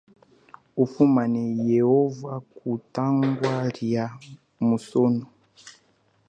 Ufumane yehova kutangwa lia musono.